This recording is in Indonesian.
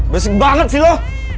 besek banget sih lo